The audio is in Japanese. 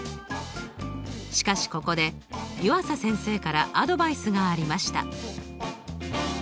しかしここで湯浅先生からアドバイスがありました。